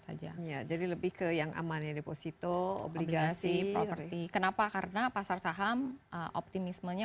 saja jadi lebih ke yang aman ya deposito obligasi properti kenapa karena pasar saham optimismenya